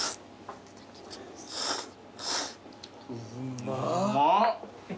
うまっ。